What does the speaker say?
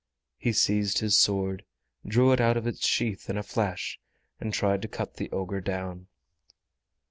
He seized his sword, drew it out of its sheath in a flash, and tried to cut the ogre down.